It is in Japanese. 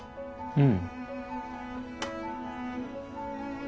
うん。